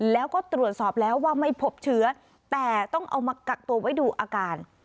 แล้วก็ตรวจสอบแล้วว่าไม่พบเชื้อแต่ต้องเอามากักตัวไว้ดูอาการ